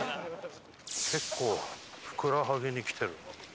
結構ふくらはぎにきてるな。